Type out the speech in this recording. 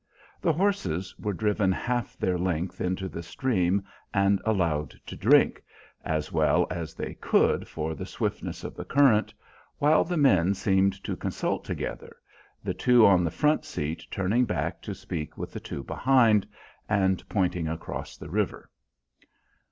The horses were driven half their length into the stream and allowed to drink, as well as they could for the swiftness of the current, while the men seemed to consult together, the two on the front seat turning back to speak with the two behind, and pointing across the river.